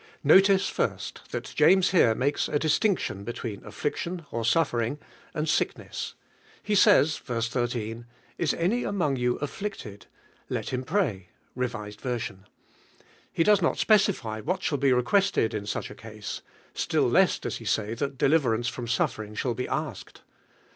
Notice, first, that James here makes a distinction between affliction (or Buffet lug) and sickness. He says (ver. 13): "Is uny among you afflicted? let him pray" [i;. V.). lie does not specify what shall be requested in such a case; si ill less does he say that deliverance from suffer ing shall he ashed.